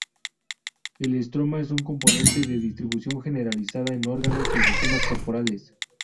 El estroma es un componente de distribución generalizada en órganos y sistemas corporales.